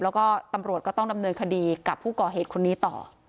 แล้วก็ตำรวจก็ต้องดำเนินคดีกับผู้ก่อเหตุคนนี้ต่อ